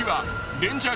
レンジャー！